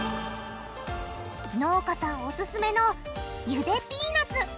農家さんオススメのゆでピーナツ。